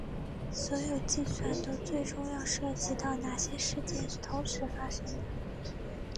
所有计算都最终要涉及到哪些事件是同时发生的。